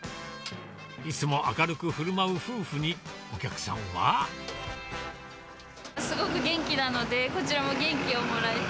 いつも明るくふるまう夫婦に、すごく元気なので、こちらも元気をもらえて。